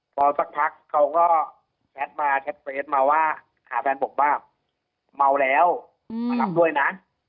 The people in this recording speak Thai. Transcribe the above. พอสักพักเขาก็แชทมาแชทเฟสมาว่าหาแฟนผมว่าเมาแล้วมารับด้วยนะ